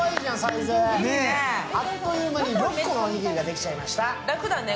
あっという間に６個のおにぎりができちゃいました。